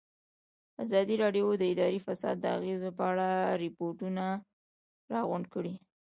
ازادي راډیو د اداري فساد د اغېزو په اړه ریپوټونه راغونډ کړي.